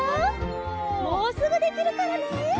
もうすぐできるからね。